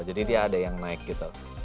jadi ada yang naik gitu